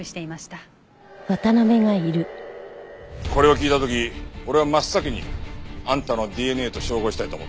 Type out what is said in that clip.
これを聞いた時俺は真っ先にあんたのＤＮＡと照合したいと思った。